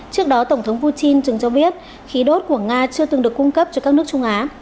trước đó tổng thống putin chứng cho biết khí đốt của nga chưa từng được cung cấp cho các nước trung á